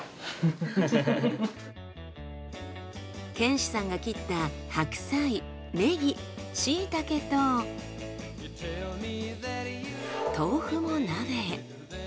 賢志さんが切った白菜ネギしいたけと豆腐も鍋へ。